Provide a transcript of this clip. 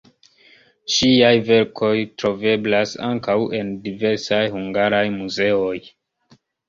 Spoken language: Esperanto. Ŝiaj verkoj troveblas ankaŭ en diversaj hungaraj muzeoj.